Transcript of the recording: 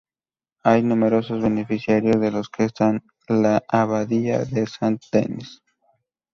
Hay numerosos beneficiarios de los que están la abadía de Saint-Denis.